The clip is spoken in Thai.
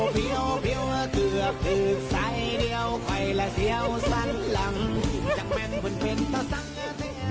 เพียวเกือบถือสายเดียวไขวและเสียวสันลำจังแม่งเหมือนเพลินเท่าสังเกษ